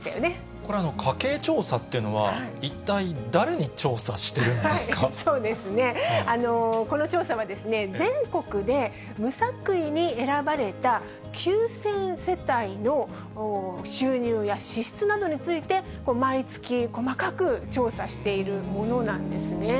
これ、家計調査っていうのは、そうですね、この調査は、全国で無作為に選ばれた９０００世帯の収入や支出などについて、毎月、細かく調査しているものなんですね。